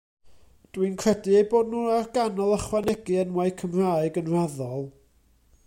Dw i'n credu eu bod nhw ar ganol ychwanegu enwau Cymraeg yn raddol.